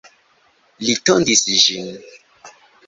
Li tondis ĝin.